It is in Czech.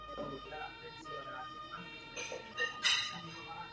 Doufám, že Komise vypracuje kvalitní komunikační strategii.